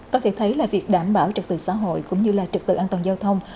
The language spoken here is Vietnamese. có thể thấy là việc đảm bảo trật tự xã hội cũng như trật tự an toàn giao thông